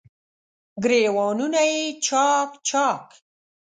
ګریوانونه یې چا ک، چا ک